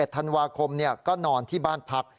ธันวาคมก็นอนที่บ้านพัก